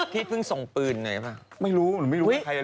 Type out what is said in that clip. พี่เพิ่งส่งปืนหน่อยค่ะ